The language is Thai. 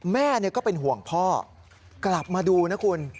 แม่ก็เป็นห่วงพ่อกลับมาดูนะคุณ